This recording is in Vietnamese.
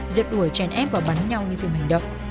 giết đuổi chèn ép và bắn nhau như phim hành động